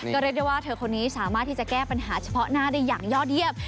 ก็เรียกได้ว่าเธอคนนี้สามารถที่จะแก้ปัญหาเฉพาะหน้าได้อย่างยอดเยี่ยม